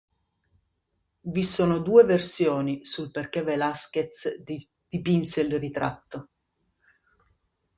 Vi sono due versioni sul perché Velázquez dipinse il ritratto.